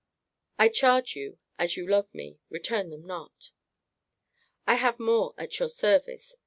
I charge you, as you love me, return them not. I have more at your service.